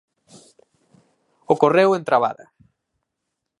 Ocorreu en Trabada.